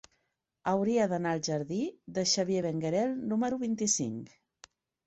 Hauria d'anar al jardí de Xavier Benguerel número vint-i-cinc.